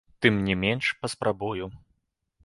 Тым не менш, паспрабую.